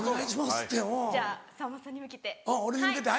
じゃあさんまさんに向けて。